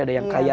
ada yang kaya